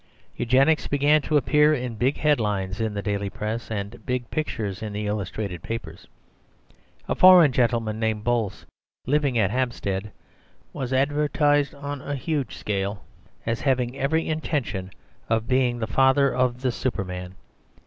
Eugenics began to appear in big headlines in the daily Press, and big pictures in the illustrated papers. A foreign gentleman named Bolce, living at Hampstead, was advertised on a huge scale as having every intention of being the father of the Superman.